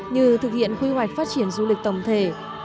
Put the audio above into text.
như thực hiện quy hoạch phát triển du lịch tổng thể